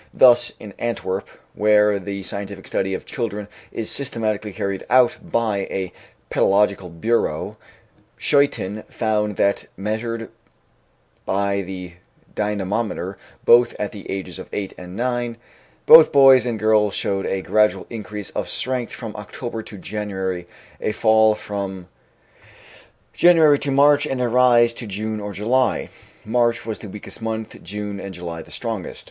Thus in Antwerp, where the scientific study of children is systematically carried out by a Pedological Bureau, Schuyten found that, measured by the dynamometer, both at the ages of 8 and 9, both boys and girls showed a gradual increase of strength from October to January, a fall from January to March and a rise to June or July. March was the weakest month, June and July the strongest.